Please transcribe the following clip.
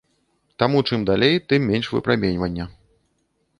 Таму чым далей, тым менш выпраменьвання.